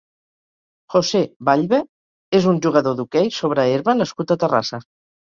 José Ballbe és un jugador d'hoquei sobre herba nascut a Terrassa.